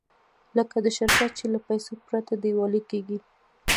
لکه د شرکت چې له پیسو پرته ډیوالي کېږي.